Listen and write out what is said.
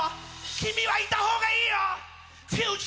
君はいたほうがいいよ！